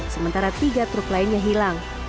sementara tiga truk lainnya hilang